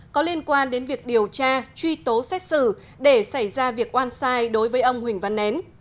có liên quan đến việc điều tra truy tố xét xử để xảy ra việc oan sai đối với ông huỳnh văn nén